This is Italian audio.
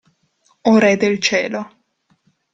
O Re del Cielo.